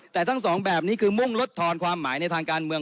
แต่ทั้งสองแบบนี้คือมุ่งลดทอนความหมายในทางการเมือง